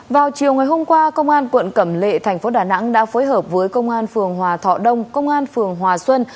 vào chiều ngày hôm qua công an quận cẩm lệ thành phố đà nẵng đã phối hợp với công an phường hòa thọ đông công an phường hòa xuân